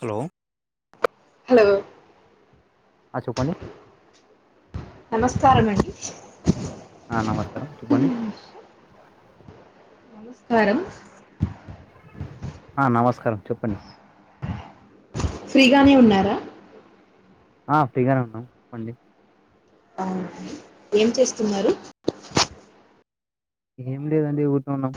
Hello hello ఆ చెప్పడి నమస్కారం అండి ఆ నమస్కారం చెప్పండి నమస్కారం ఆ నమస్కారం చెప్పండి ఫ్రీ గానే ఉన్నారా ఆ ఫ్రీగానే ఉన్న అండి అ ఏం చేస్తున్నారు ఏం లేదండి ఊరికెనే ఉన్నాం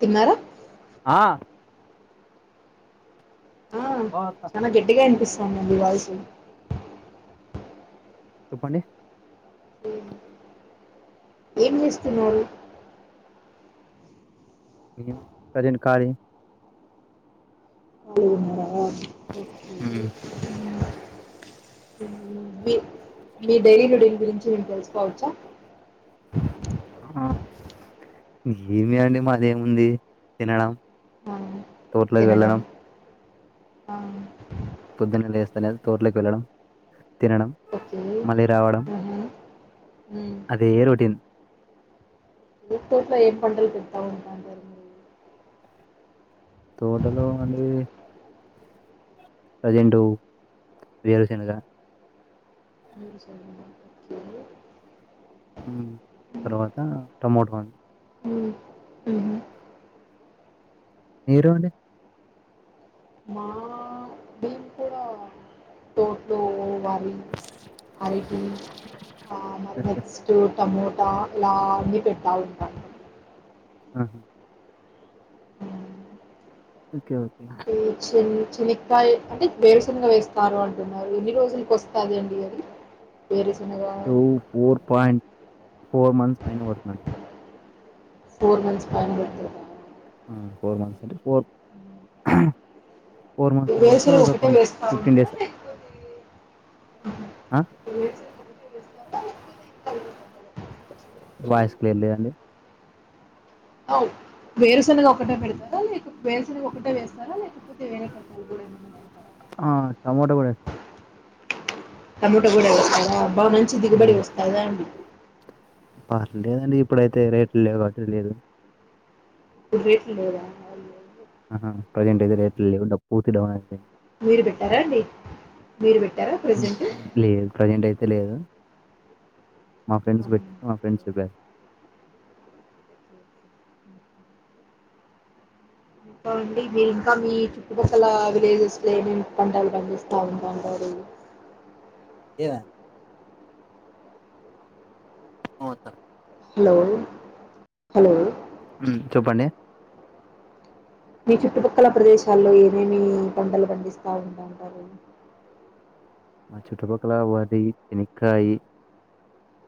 తిన్నారా ఆఆ ఆ, ఓ అత్త చాలా గట్టీగా వినిపిస్తుంది మీ వాయిస్ చెప్పండి ఏం చేస్తున్నారు ప్రజెంట్ కాలింగ్ అలిగున్నారా ఆ [inaudible] ఉమ్ మ్మ్, మీ మీ డైలీ రొటీన్ గురించి మేము తెలుసుకోవచ్చా ఆ ఏమి అండి మాదేముంది తినడం తోట్లోకి వెళ్ళడం అఆ పొద్దున్నే లేస్త లేస్తనే తోట్లోకి వెళ్లడం తినడం ఓకే మళ్ళీ రావడం ఆహా, మ్మ్. అదే ఏ రోటీన్ గుంటూరు లో ఏం పంటలు పెడతా ఉంటారు తోటలో అనేవి ప్రజెంట్ వేరుశనగ ఆ సరే ఉమ్ తర్వాత టమోటో అని మ్మ్, మ్మ్. మీరు అండీ మా మేము కూడా తోటలో వరి అరటి ఆ, మరి అ నెక్స్ట్ టమోటా ఇలా అన్ని పెట్టా ఉంటాను ఆహా ఓకే ఓకే చి చెనక్కాయ అంటే వేరుసనగా వేస్తారు అంటున్నారు ఎన్ని రోజులకి వస్తదండి అది వేరు two four point four months పైన పడుతుందండి ఫోర్ మంత్స్ పైన పడతాద హా ఫోర్ మంత్స్ అంటే ఫోర్ ఫోర్ మంత్స్ తర్వాత వేరుశనగ ఒక ఒకటే ట్వంటీ వేస్తా ఫిఫ్టీన్ ఉంటా డేస్ లేకపోతే [inaudible] వాయిస్ క్లియర్ గా లేదండి అవు వేరుశెనగ ఒకటే పెడతారా లేకపోతే వేరుశనగ ఒకటే వేస్తారా లేకపోతే వేరే కట్టి కూడతా ఆ టమోటో కూడా వేస్తా టమోటా కూడా వేస్తారా బాగా మంచి దిగుబడి వస్తాదా అండీ లేదండి ఇప్పుడైతే రేట్లు లేవు కాబట్టి లేదు రేట్లు లేవా అయ్యో ఆహా ప్రెజెంట్ అయితే రేట్లు లేవు పూర్తి డౌన్ అయిపోతు మీరు పెట్టారా అండి మీరు పెట్టారా ప్రజెంట్ తెలియదు మా ఫ్రెండ్స్ పెట్టారు మా ఫ్రెండ్స్ చెప్పారు అకావండి మీరు ఇంకా మీ చుట్టుపక్కల విలేజెస్ లో ఏమమి పంటలు పంపిస్తా ఉంటాండరు ఏదా ఓత హలో హలో ఉమ్ చెప్పండి మీ చుట్టుపక్కల ప్రదేశాల్లో ఏనేమి పంటలు పండిస్తా ఉంటాండరు మా చుట్టుపక్కల వరి ఇంకా ఇ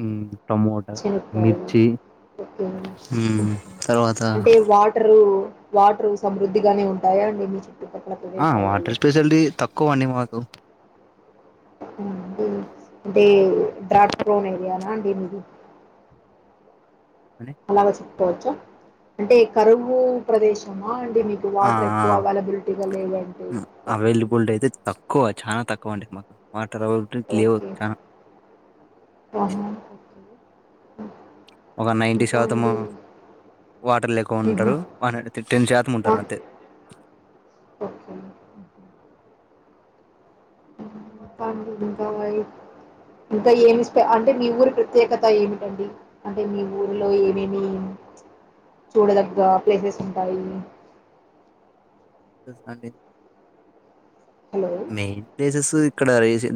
ఉమ్ టమోటా చనిపోవాలి మిర్చి ఓకేం ఉమ్, తర్వాత అంటే వాటరు వాటర్ సమృద్ధిగానే ఉంటాయా అండి మీ చుట్టుపక్కల ఆ ప్రదేశాలలో వాటర్ స్పెషాలటీ తక్కువ అండి మాకు ప్రో ఏరియా అడి అంటే అలా వచ్చి వచ్చా అంటే కరువు ప్రదేశమా అ అ మీకు ఆ వాటర్ ఎక్కువ ఆ అవైలబిలిటీగా లేవంటే చెంది అవైలబిలిటీ అయితే తక్కువ చాలా తక్కువ అండి మాకు తర్వా తెలియవచ్చు లేవు ఓకే చానా ఆహా ఒక నైంటి ఇంకా శాతం అండి వాటర్ లేక్కువ ఉహు ఉంటారు వన్ హెడ్ టెన్ శాతం ఆ ఉంటారు అంతే ఓకే ఇంకా ఇంకా ఏమి అంటే మీ ఊరి ప్రత్యేకత ఏమిటండి అంటే మీ ఊరిలో ఏమేమి చూడదగ్గ ప్లేసెస్ ఉంటాయి స సండే హలో మెయిన్ ప్లేసెస్ ఇక్కడ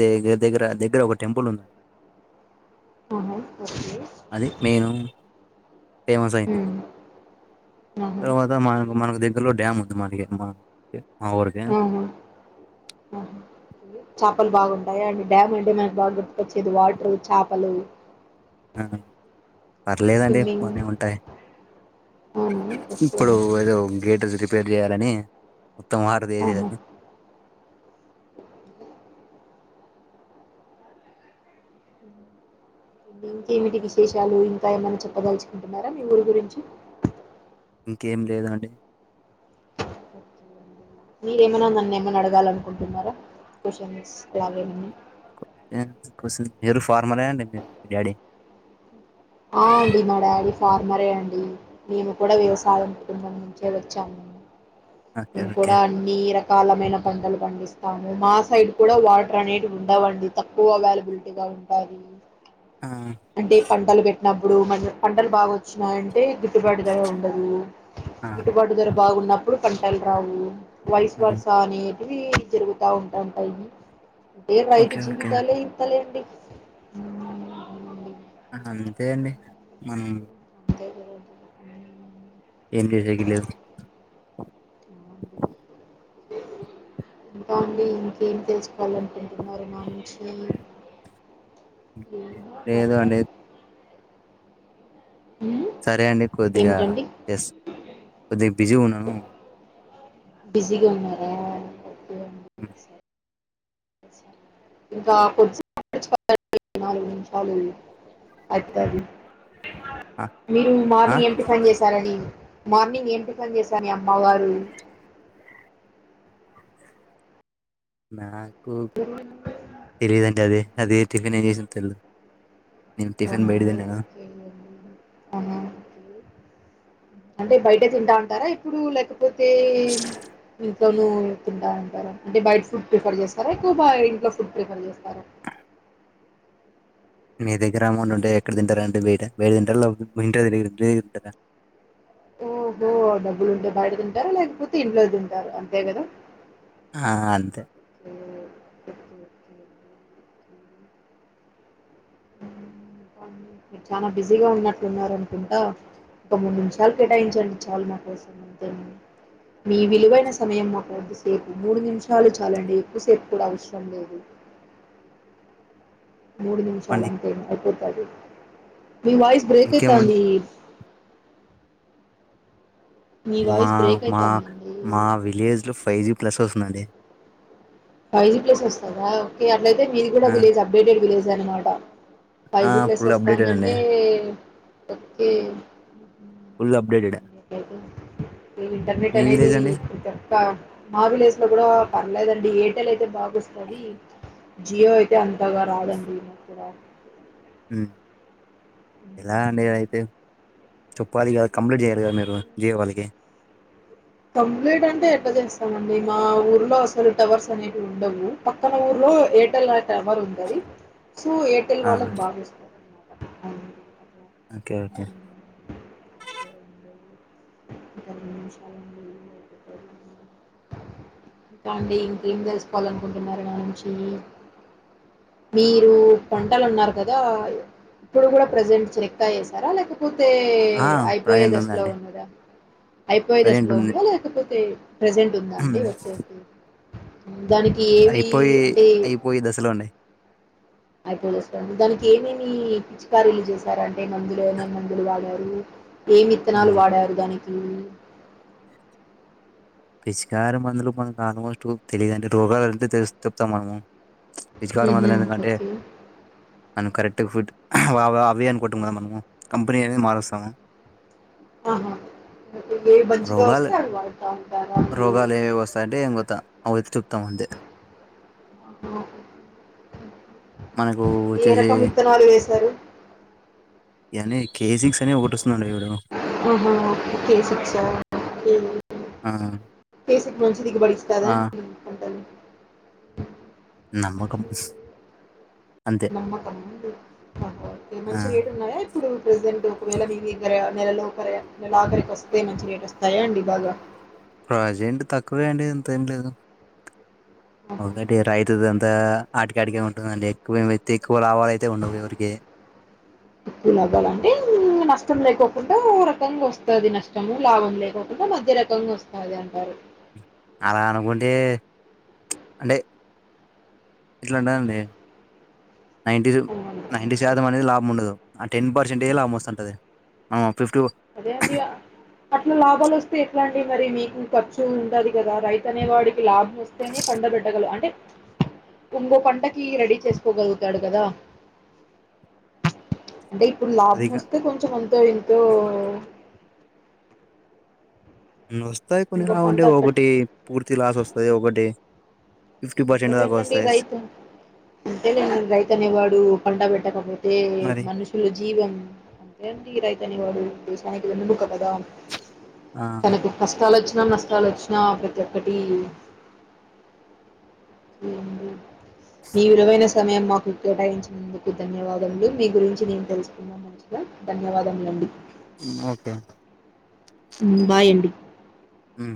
ద దగ్గర దగ్గర ఒక టెంపుల్ ఉందిడి ఆహ అది మెయిను ఫేమస్ అయింది ఉమ్ ఆహా తర్వాత ఓకే. మన మనకు దగ్గరలో డ్యామ్ అగ అమా ఉహు లు బాగుంటాయి అ డ్యామ్ అంటే మకు బాగా గుర్తుకొచ్చేది వాటర్ చేపలు పర్లేదండి స్విమ్మింగ్ బానేమింటాయి అవును ఓకే ఇప్పుడు అండి ఏదో గేట్ తిరి పేర్ చేయాలని ఉత్తమ హార్ ద ఆహా ఇంకేమిటి విశేషాలు ఇంకా ఏమన్నా చెప్పదలుచుకుంటున్నారా మీ ఊరి గురించి ఇంకేం లేదండి మీరేమైనా నన్ను ఏమైనా అడగా అనుకుంటున్నారాచ లాగేమన్నా మీరు ఫార్మరే అండి మీ డాడీ ఆ అండి మా డాడీ ఫార్మరే అండి మేము కూడ వ్యవసాయం కుటుంబం నుంచే వచ్చాము ఓకే ఇం ఓకే కూడా అన్ని రక్ కాలమైన పంటలు పండిస్తాము మా సైడ్ కూడా వాటర్ అనేటివుండవండి తక్కువ అవైలబిలిటీగా ఉంటాయి ఆ అంటే పంటలు పెట్ అప్పుడు మ పంటలు బాగ ఒచ్చినయ అంటే గిట్టుబాటు ధర ఉండదూ ఆ గిట్టుబాటు ధర బాగున్నప్డు పంటల్ రావు వయసు హ్మ్ వర్సాని ఇవి జరుగుతా ఉంటాంటాయ్ ఏ రైతు ఓకే ఓకే జీవితాలే ఇంతలేండి [inaudible] అంతేండి మనం [unintelligible] ఏం లేద్ రెగీలర్ ఇంకా అండి ఇంకేం తెలుసుకోవాలనుకుంటున్నారు నా నుంచి ఏ లేదు మనవె అండి సరే అండి కొద్దిగా ఏమిటండి ఎస్ కొద్ది బిజిఉన్నాను బిజీగున్నారా ఉ ఇంకా [unintelligible] ఆ మీరు ఆ మార్నింగ్ ఏ పని చేసారండి మార్నింగ్ ఏంటి పన్ చేశా మీ అమ్మ వారు నా కు తెలిదంటి అది అదే టిఫన్ ఏం చేసింద్ తెల్దు నేన్ టిఫిన్ అవునా బయట అండి తిన్నాను ఓకే అంటె బయట తింటా ఉంటారా ఇప్పుడు లై పోతే ట్లోను తింటాఉంటార అంటె బయట ఫుడ్ ప్రిఫర్ చేస్తారా ఎక్కువ ఇంట్లో ఫుడ్ ప్రిఫర్ చేస్తార మీ దగ్గర అమౌంట్ ఉంటే ఎక్కడ తింటారు అంటేే బయట తింటారా ఇంట్లో తింటారా ఓహో డబ్బులుంటే బయట తింటారు లేకపోతే ఇంట్లో తింటారు అంతే గదా ఆ అంతె ఓ కె చాన బిజీగా ఉన్నట్లున్నరనుకుంటా ఒక మూడు నిమ్షాలు కేటాయించండి చాలు మా కోసం మీ విలువైన సమయం మాకు కొద్దిసేపు మూడు నిమిషాలు చాలండి ఎక్కువసేపు కూడా అవ్సరం లేదు మూడు నిమ్షాలు చెప్పండి అంతే ఇంకా ఐ గ మీ వాయిస్ బ్రేక్ ఇంకేమండి అయితాంది మీ మా వాయిస్ బ్రేక్ మా అయితాందండి. మా విలేజ్ లో ఫైవ్ జి ప్లస్ వస్తుందండి ఫైవ్ జి ప్లేస్ వస్తందా ఓకే అట్లా అయ్ తె కూడా ఆ విలేజ్ అప్‌డేట్టెడ్ విలేజ్ జర్మడ ఫైవ్ ఆ జి ప్లస్ ఫుల్ అప్డేటెడ్ అండి వస్తాందంటే ఓకే ఫుల్ అప్డేటెడ్ అట్లయితే ఇంటర్నెట్ మీ అనేది విలేజ్ అండి మా విలేజ్ లో కూడా పర్లేేదండి ఎయిర్టెల్ అయితే బాగాస్తది జియో అయితే అంతగా రాదండి మాకు కూడా మ్ ఎలా అండి ఇలా ఐతే చేప్పాలి కదా కంప్లైంట్ చేయాలి కదా మీరు జియో వాళ్ళకి కంప్లైంట్ అంటే ఎలా చేస్తామండి మా ఊర్లో అసలు టవర్స్ అనేవి ఉండవు పక్కన ఊర్లో ఎయిర్టెల్ ఆ టవర్ ఉంటది సో ఎయిర్టెల్ ఆ వాళ కి బాగా వస్తుంది ఓకే ఓకే ఇంకా అండి ఇంకేం తెలుసుకోవాలనుకుంటున్నారు నా నుంచి మీరు పంటలు అన్నారు కదా ఇప్పుడు కూడా ప్రజెంట్ చెక్కా వేస్తరా లేకపోతే కుతే ఆ ప్రజెంట్ అయిపోయెదస లో ఉందండి ఉన్నదా అయిపోయే ప్రజెంట్ దసలో ఉంది ఉందా లేకపోతే ప్రజెంట్ ఉందా అండి ఓకే ఓకే దానికి ఏవి అయిపోయి అంటే అయిపోయి దశలో అండి అయిపోయిస్తుంది దానికి ఏమేమి పిచ్చికారీలు యూస్ చేశారంటే మందులు అమ్ మందులు వాడారు ఏమిత్తనాలు మనం వాడారు దానికి హ్మ్ పిచికారం మందులు మనకు ఆల్మోస్ట్ తెలిదండి రోగాలు ఐతే తెలిస్తే చెప్తాం మనము పిచికారు మందులు మ్మ్హ్మ్. ఎందుకంటే ఓకే మనం కరెక్ట్గా ఫుడ్ అవ్ అవే అనుకుంటాం కదా మనము కంపెనీ అనేది మారుస్తాము ఆహా ఏ బంచిగా రోగాలు వస్తే అది వాడతాం రోగాలు ఏవ వస్తాయంటే [unintelligible] ఏంత తమంతె మనకు ఏ వచ్చేసి రకం విత్తనాలు వేస్తారు ఎనీ కే సిక్స్ అనే ఒకటి వస్తున్నాండి చూడు ఆహ కే సిక్ ఆ ఆ ఓకే బదిగుబడీస్తాడా ఆ అండి నమ్మకం అంతే నమ్మకం మంచి ఆ రేటు ఉన్నాయా ఇప్పుడు ప్రెజెంట్ ఒకవేళ నీ దగ్గర నెల లోకరి నెల ఆఖరికి వస్తే మంచి రేట్ వస్తాయా అండి బాగా ప్రాజేటి తక్కువే అండ్డి ఎంతేం లేదు ఆహా. ఒకటి రైతు దం త ఆటికాడికే ఉంటుందండి ఎక్కువతే ఎక్కువ లాభాల అయితే ఉండవు ఎవరికి ఎక్కువ భాలంటే నష్టం లేకోకుండా ఓ రకంగా వస్తుది నష్టము లాభం లేకోకుండా మధ్య రకంగా వస్తది అంటారు అలా అనుకుంటే అంటే ఇట్లాంటుందండి నైంటి నైంటి అవును. శాతం అనేది లాభం ఉండదు టె పర్సెట్ ఆల్మోస్ట్ అంటంది ఆ ఫిఫ్ అదే అండి అట్లా లాభాలు వస్తే ఎట్లా అండి మరి మీకు ఖర్చు ఉండదు కదా రైతు అనేవాడి లాభం వస్తేనే పండబిట్టగల అంటే ఇంగో పంటకి రెడీ చేసుకోగలుగుతాడు కదా అంటే ఇప్పుడు లాభం అదిగా వస్తే కొంచెం అంతో ఇంతో వస్తాయి కొన్ని ఇంకో పంట రావండి పెట్ ఒకటి పూర్తి లాస్ వస్తంది ఒకటి ఫిఫ్టీ పర్సెంట్ దాకా అంతేలేనండి వస్తాయి రైతు అంతేలేండి రైతు అనేవాడు పంట పెట్టకపోతే మరి మనుషులు జీవం అంతే అండి రైతు తనేవాడు దేశానికి వెన్నెముక గా ఆ తనకు కష్టాలచ్ త నష్టాలు వచ్చినా ప్రతి ఒక్కటి మీ విలువైన సమయం ధన్యవాదములు మీ గురించి నేను తెలుసుకున్నా మంచిగా ధన్యవాదములండి ఓకే బాయ అండి ఉమ్